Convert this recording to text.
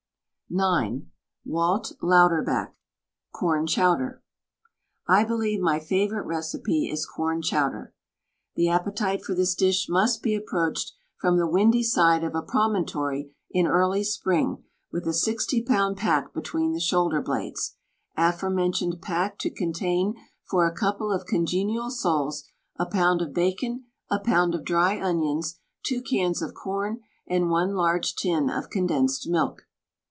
WRITTEN FOR MEN BY MEN IX Tf^alt Louderback CORN CHOWDER I believe my favorite recipe is Corn Chowder. The appetite for this dish must be approached from the windy side of a promontory in early spring with a sixty pound pack between the shoulder blades, aforemen tioned pack to contain for a couple of congenial souls a pound of bacon, a pound of dry onions, two cans of corn and one large tin of condensed milk.